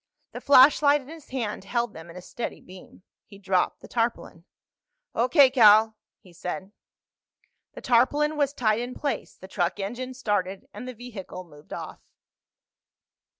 The flashlight in his hand held them in a steady beam. He dropped the tarpaulin. "O.K., Cal," he said. The tarpaulin was tied in place, the truck engine started, and the vehicle moved off.